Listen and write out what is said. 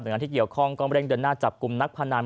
งานที่เกี่ยวข้องก็เร่งเดินหน้าจับกลุ่มนักพนัน